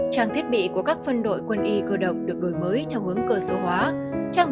trang thiết bị của các phân đội quân y cơ động được đổi mới theo hướng cờ số hóa